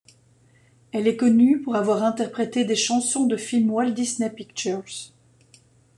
Elle est connue pour avoir interprété des chansons de films Walt Disney Pictures.